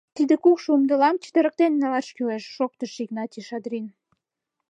— Тиде кукшо умдылам чытырыктен налаш кӱлеш! — шоктыш Игнатий Шадрин.